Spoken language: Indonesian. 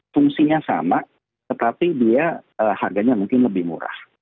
fungsinya sama tetapi dia harganya mungkin lebih murah